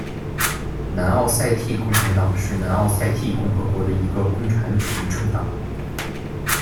南奥塞梯共产党是南奥塞梯共和国的一个共产主义政党。